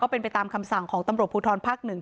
เป็นไปตามคำสั่งของตำรวจภูทรภาคหนึ่ง